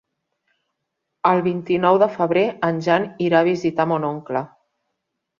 El vint-i-nou de febrer en Jan irà a visitar mon oncle.